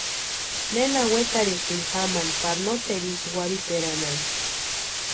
¿Nena wetarhisïnki jamani pari noteru ísï warhiperanhani?